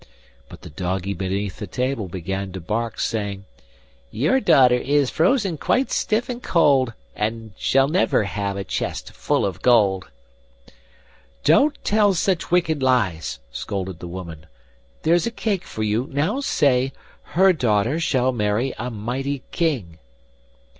But the doggie beneath the table began to bark, saying: 'Your daughter is frozen quite stiff and cold, And shall never have a chest full of gold.' 'Don't tell such wicked lies!' scolded the woman. 'There's a cake for you; now say: "HER daughter shall marry a mighty King."